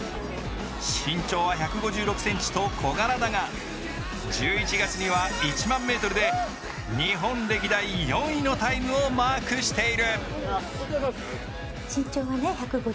身長は１５６ｃｍと小柄だが１１月には１０００ｍで日本歴代４位のタイムをマークしている。